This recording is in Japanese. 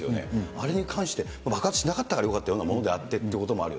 あれに関して、爆発しなかったからよかったようなものであってということもある